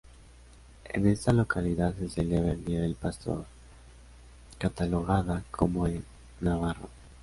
En esta localidad se celebra el Día del Pastor, catalogada como en Navarra.